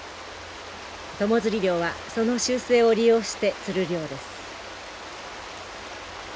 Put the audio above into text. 友釣り漁はその習性を利用して釣る漁です。